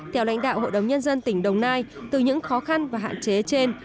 theo lãnh đạo hội đồng nhân dân tỉnh đồng nai từ những khó khăn và hạn chế trên